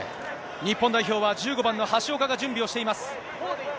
日本代表は１５番の橋岡が準備をしています。